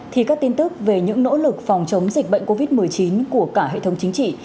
thì các tin tức về những nỗ lực phòng chống dịch bệnh covid một mươi chín của cả hệ thống chính trị